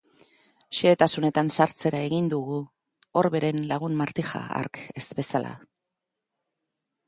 Xehetasunetan sartzera egin dugu, Orberen lagun Martija hark ez bezala.